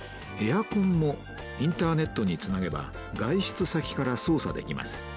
エアコンもインターネットにつなげば外出先から操作できます。